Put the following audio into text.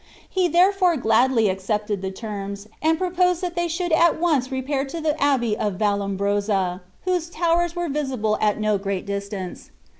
He therefore gladly accepted the terms, and proposed that they should at once repair to the abbey of Vallombrosa, whose towers were visible at no great distance.